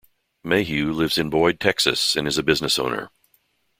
Mayhew lives in Boyd, Texas and is a business owner.